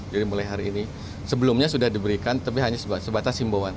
jadi mulai hari ini sebelumnya sudah diberikan tapi hanya sebatas simbohan